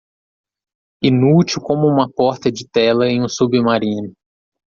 Inútil como uma porta de tela em um submarino.